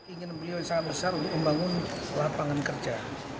ingin memiliki usaha besar untuk membangun lapangan kerja